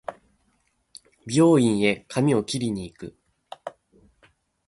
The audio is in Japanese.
美容院へ髪を切りに行く